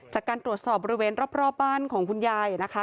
จากการตรวจสอบบริเวณรอบบ้านของคุณยายนะคะ